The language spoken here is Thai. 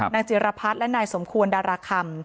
นางเจรพัศน์และนายสมควรดรคัม